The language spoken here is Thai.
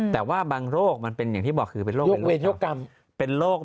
แต่ว่าบางโรคมันเป็นอย่างที่บอกคือเป็นโรค